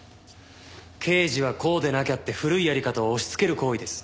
「刑事はこうでなきゃ」って古いやり方を押しつける行為です。